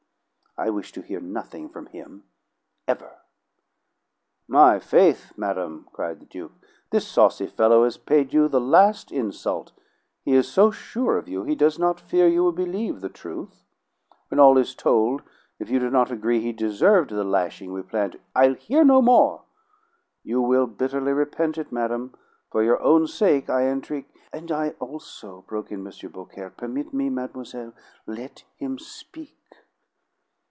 "I wish to hear nothing from him ever!" "My faith, madam," cried the Duke, "this saucy fellow has paid you the last insult! He is so sure of you he does not fear you will believe the truth. When all is told, if you do not agree he deserved the lashing we planned to " "I'll hear no more!" "You will bitterly repent it, madam. For your own sake I entreat " "And I also," broke in M. Beaucaire. "Permit me, mademoiselle; let him speak."